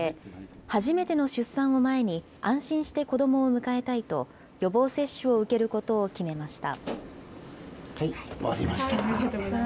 初めての出産を前に安心して子どもを迎えたいと、予防接種を受け終わりました。